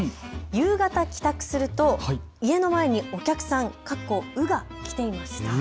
夕方帰宅すると、家の前にお客さん、鵜が来ていました。